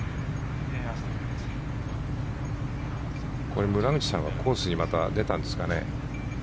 これ村口さんはコースにまた出たんですかね？